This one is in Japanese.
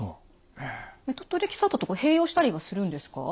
メトトレキサートと併用したりはするんですか？